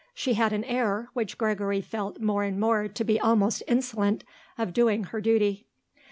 She had an air, which Gregory felt more and more to be almost insolent, of doing her duty.